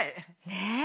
ねえ。